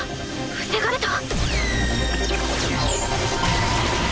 防がれた？